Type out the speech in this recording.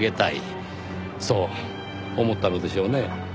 そう思ったのでしょうねぇ。